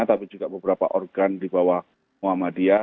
tapi juga beberapa organ di bawah muhammadiyah